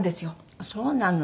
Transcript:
あっそうなの。